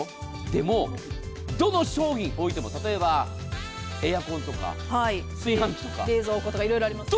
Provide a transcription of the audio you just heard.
でも、どの商品を見ても例えばエアコンとか炊飯器とか冷蔵庫とか色々あります。